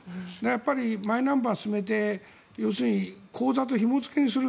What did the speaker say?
やっぱり、マイナンバーを進めて要するに口座とひも付けをする。